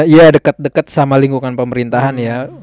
ya deket deket sama lingkungan pemerintahan